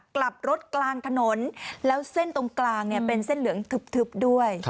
กลับรถกลางถนนแล้วเส้นตรงกลางเนี่ยเป็นเส้นเหลืองทึบด้วย